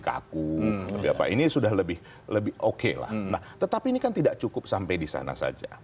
kaku bia pak ini sudah lebih lebih oke lah nah tetapi inikan tidak cukup sampai di sana saya